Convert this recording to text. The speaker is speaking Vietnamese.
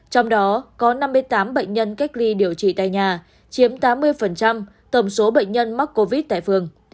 trong đó có năm mươi tám bệnh nhân cách ly điều trị tại nhà chiếm tám mươi tổng số bệnh nhân mắc covid tại phường